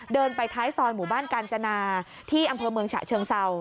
เดินไปท้ายซอยหมู่บ้านกาญจนาที่อำเภอเมืองฉะเชิงเศร้า